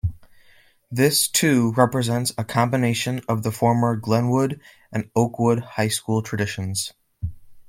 This, too, represents a combination of the former Glenwood and Oakwood high school traditions.